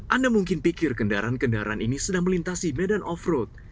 anda mungkin pikir kendaraan kendaraan ini sedang melintasi medan off road